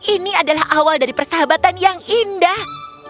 ini adalah awal dari persahabatan yang indah